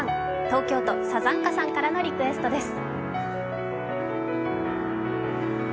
東京都さざんかさんからのリクエストです。